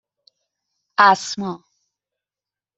اَسما